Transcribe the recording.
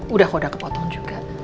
udah koda kepotong juga